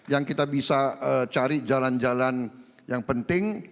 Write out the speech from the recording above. yang kita bisa cari jalan jalan yang penting